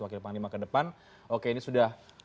wakil panglima ke depan oke ini sudah